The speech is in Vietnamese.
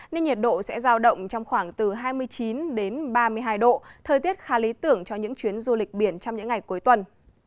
nên nhiệt độ sẽ giao động trong khoảng từ hai mươi chín đến ba mươi hai độ thời tiết khá lý tưởng cho những chuyến du lịch biển trong những ngày cuối tuần